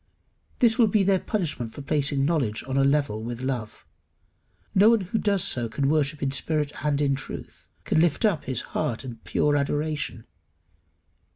This will be their punishment for placing knowledge on a level with love. No one who does so can worship in spirit and in truth, can lift up his heart in pure adoration.